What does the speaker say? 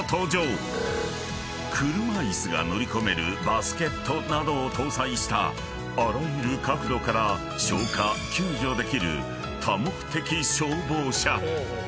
［車イスが乗り込めるバスケットなどを搭載したあらゆる角度から消火・救助できる］